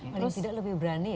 paling tidak lebih berani